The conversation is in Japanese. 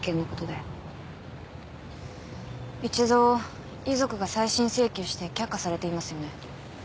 一度遺族が再審請求して却下されていますよね。